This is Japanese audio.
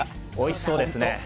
おいしそうですね。